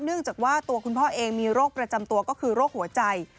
เนื่องจากว่าตัวคุณพ่อเองมีโรคประจำตัวก็คือโรคหัวใจ